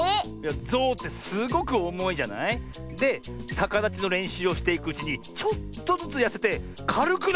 ゾウってすごくおもいじゃない？でさかだちのれんしゅうをしていくうちにちょっとずつやせてかるくなってくとおもうんだよ。